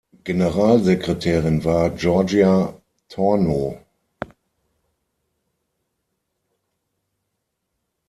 Generalsekretärin war Georgia Tornow.